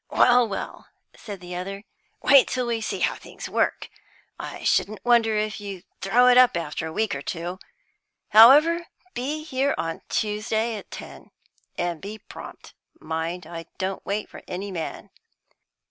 "Well, well," said the other, "wait till we see how things work. I shouldn't wonder if you throw it up after a week or two. However, be here on Tuesday at ten. And prompt, mind: I don't wait for any man."